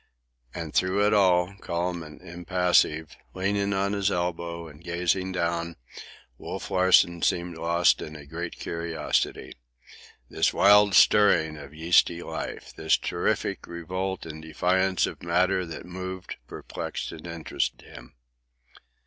And through it all, calm and impassive, leaning on his elbow and gazing down, Wolf Larsen seemed lost in a great curiosity. This wild stirring of yeasty life, this terrific revolt and defiance of matter that moved, perplexed and interested him.